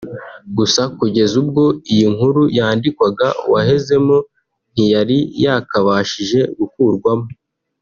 gusa kugeza ubwo iyi nkuru yandikwaga uwahezemo ntiyari yakabashije gukurwamo